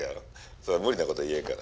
そう無理なこと言えんから。